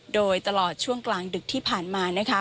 โดยตลอดช่วงกลางดึกที่ผ่านมานะคะ